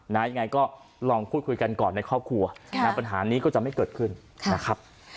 ยังไงก็ลองพูดคุยกันก่อนในครอบครัวปัญหานี้ก็จะไม่เกิดขึ้นนะครับ